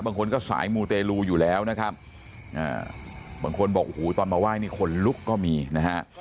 บางคนก็สายมูเตรลูอยู่แล้วนะครับบางคนบอกโอ้โหตอนมาไหว้นี่คนลุกก็มีนะฮะ